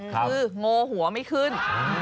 คือโง่หัวไม่ขึ้น